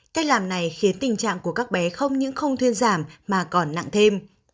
cách làm này khiến tình trạng của các bé không những không thuyên giảm mà còn nặng thêm